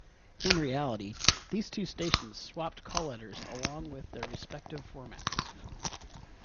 In reality, these two stations swapped call letters along with their respective formats.